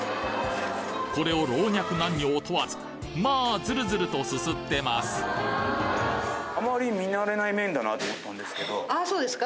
これを老若男女を問わずまあズルズルとすすってますあそうですか？